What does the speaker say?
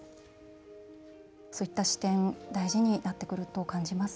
そういった視点大事になってくると感じますね。